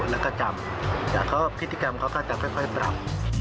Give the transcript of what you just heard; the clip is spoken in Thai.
แล้วก็จำแต่เขาพฤติกรรมเขาก็จะค่อยปรับ